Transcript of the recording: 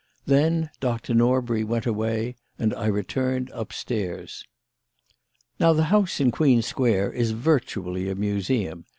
Then Doctor Norbury went away and I returned upstairs. "Now the house in Queen Square is virtually a museum.